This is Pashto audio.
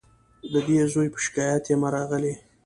د دې زوی په شکایت یمه راغلې